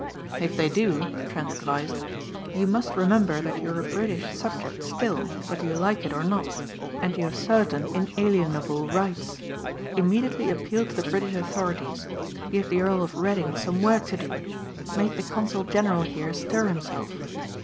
"If they do," Trent advised, "you must remember that you're a British subject still whether you like it or not and you have certain inalienable rights. Immediately appeal to the British authorities. Give the Earl of Reading some work to do. Make the Consul General here stir himself.